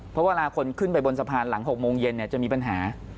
เพราะเวลาคนขึ้นไปบนสะพานหลัง๖โมงเย็นจะมีปัญหา